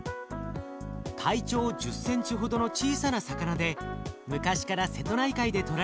体長１０センチほどの小さな魚で昔から瀬戸内海で取られてきました。